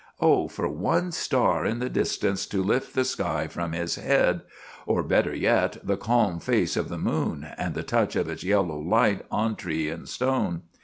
Oh, for one star in the distance to lift the sky from his head; or, better yet, the calm face of the moon, and the touch of its yellow light on tree and stone!